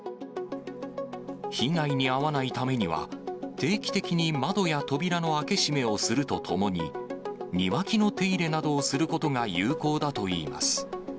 被害に遭わないためには、定期的に窓や扉の開け閉めをするとともに、庭木の手入れなどをすることが有効だといいます。